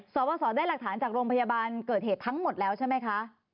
สอบได้หลักฐานจากโรงพยาบาลเกิดเหตุทั้งหมดแล้วใช่ไหมคะ